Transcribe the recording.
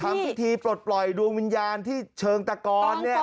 ทำพิธีปลดปล่อยดวงวิญญาณที่เชิงตะกรเนี่ย